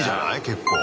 結構。